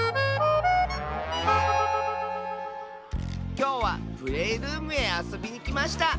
きょうはプレールームへあそびにきました！